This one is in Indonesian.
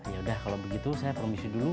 yaudah kalau begitu saya promisi dulu